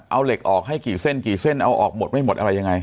เอาเหล็กออกให้กี่เส้นกี่เส้นเอาออกหมดไม่หมดอะไรยังไง